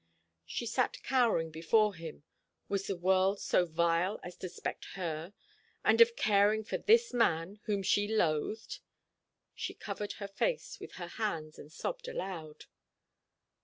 She sat cowering before him. Was the world so vile as to suspect her and of caring for this man, whom she loathed? She covered her face with her hands and sobbed aloud.